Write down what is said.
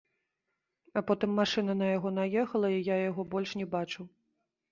А потым машына на яго наехала і я яго больш не бачыў.